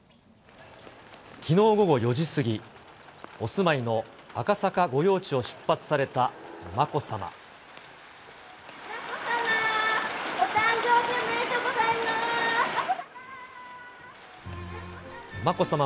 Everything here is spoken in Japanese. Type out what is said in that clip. きのう午後４時過ぎ、お住まいの赤坂御用地を出発されたまこさま。